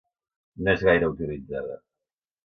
No és gaire utilitzada.